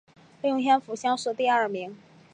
应天府乡试第二名。